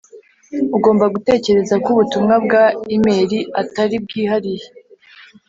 Ugomba gutekereza ko ubutumwa bwa imeri atari bwihariye